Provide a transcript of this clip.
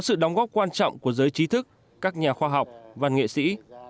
sự đóng góp quan trọng của giới trí thức các nhà khoa học văn nghệ sĩ